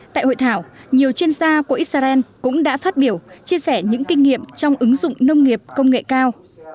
tại hội thảo nhiều chuyên gia của israel cũng đã phát biểu chia sẻ những kinh nghiệm trong ứng dụng nông nghiệp công nghệ cao